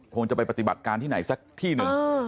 คงจะไปปฏิบัติการที่ไหนสักที่หนึ่ง